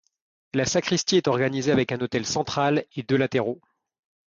La sacristie est organisée avec un autel central et deux latéraux.